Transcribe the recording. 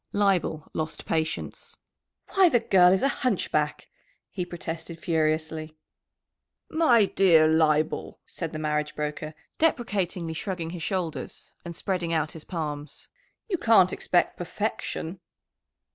Leibel lost patience. "Why, the girl is a hunchback!" he protested furiously. "My dear Leibel," said the marriage broker, deprecatingly shrugging his shoulders and spreading out his palms. "You can't expect perfection!"